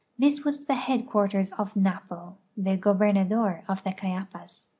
This was the headquarters of Na})0, the gobernador of the Cayapas.